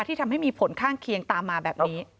ที่ทำให้มีผลข้างเคียงตามมาแบบนี้